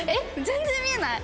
全然見えない！